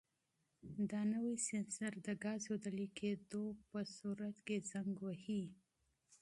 دا نوی سینسر د ګازو د لیک کېدو په صورت کې زنګ وهي.